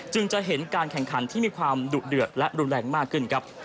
จะเห็นการแข่งขันที่มีความดุเดือดและรุนแรงมากขึ้นครับ